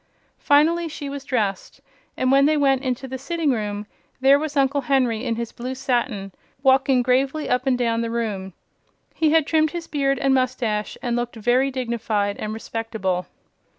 Finally she was dressed, and when she went into the sitting room there was Uncle Henry in his blue satin, walking gravely up and down the room. He had trimmed his beard and mustache and looked very dignified and respectable.